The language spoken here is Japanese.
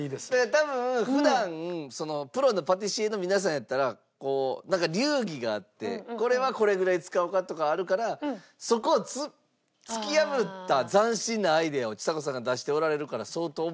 多分普段プロのパティシエの皆さんやったらなんか流儀があってこれはこれぐらい使おうかとかあるからそこを突き破った斬新なアイデアをちさ子さんが出しておられるから相当面白いものが。